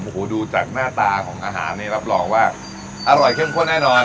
โอ้โหดูจากหน้าตาของอาหารนี่รับรองว่าอร่อยเข้มข้นแน่นอน